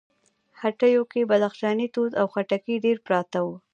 هټيو کې بدخشانی توت او خټکي ډېر پراته وو.